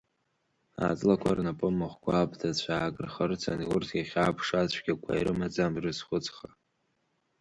Аҵлақәа рнапы махәқәа, аԥҭа цәаак рхырцан, урҭ иахьа аԥша цәгьақәа ирымаӡам рызхәыцха.